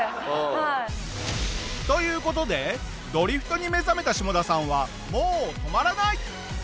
という事でドリフトに目覚めたシモダさんはもう止まらない！